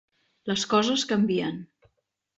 Les coses canvien.